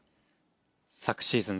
昨シーズン